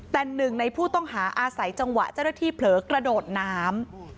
แต่หนึ่งในผู้ต้องหาอาศัยจังหวะเจ้าหน้าที่เผลอกระโดดน้ำ